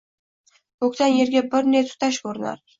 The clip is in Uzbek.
Ko‘kdan yerga bir ne tutash ko‘rinar